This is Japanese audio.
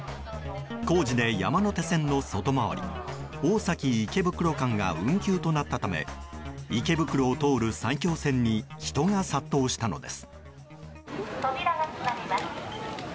工事で山手線の外回り大崎池袋間が運休となったため池袋を通る埼京線に人が殺到したのです。